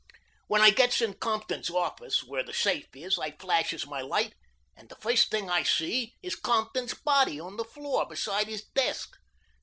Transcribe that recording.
"When I gets in Compton's office where the safe is I flashes my light and the first thing I sees is Compton's body on the floor beside his desk.